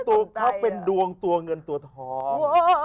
ตัวเขาเป็นดวงตัวเงินตัวทอง